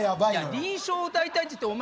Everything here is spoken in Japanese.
輪唱を歌いたいって言ってお前